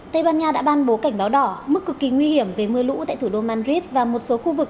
tây ban nha đã ban bố cảnh báo đỏ mức cực kỳ nguy hiểm về mưa lũ tại thủ đô madrid và một số khu vực